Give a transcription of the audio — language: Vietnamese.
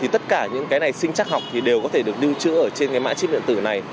tất cả những cái này sinh chắc học thì đều có thể được lưu trữ ở trên mã chip điện tử này